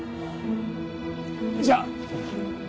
じゃあ。